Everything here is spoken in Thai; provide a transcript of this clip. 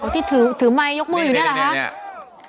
ที่ถือไมค์ยกมืออยู่นี่แหละครับ